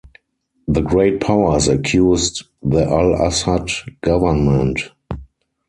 The great powers accused the Al-Asad government